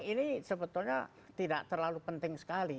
ini sebetulnya tidak terlalu penting sekali